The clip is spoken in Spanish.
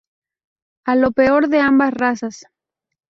A lo peor de ambas razas.